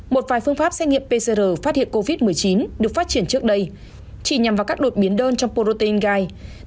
một vài phương pháp xét nghiệm pcr phát hiện covid một mươi chín được phát triển trước đây chỉ nhằm vào các đột biến đơn trong protein gai